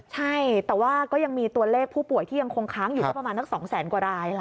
ใช่แต่ว่าก็ยังมีตัวเลขผู้ป่วยที่ยังคงค้างอยู่ที่ประมาณสัก๒แสนกว่าราย